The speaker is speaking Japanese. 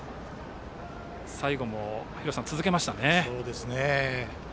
最後も廣瀬さん、続けましたね。